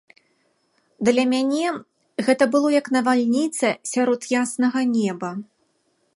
Для мяне гэта было як навальніца сярод яснага неба.